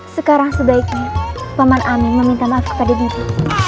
sekarang sebaiknya paman amin meminta maaf kepada diri